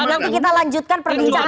nanti kita lanjutkan perbincangan